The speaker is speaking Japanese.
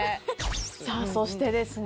さあそしてですね